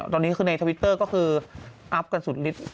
ตอนนี้คือในทวิตเตอร์ก็คืออัพกันสุดนิด